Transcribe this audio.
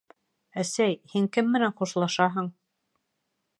— Әсәй, һин кем менән хушлашаһың?